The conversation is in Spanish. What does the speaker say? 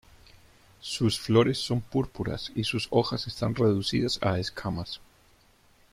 Sus flores son púrpuras y sus hojas están reducidas a escamas.